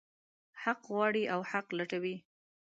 حق غواړي او حق لټوي.